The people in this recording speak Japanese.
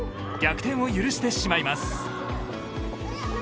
逆転を許してしまいます。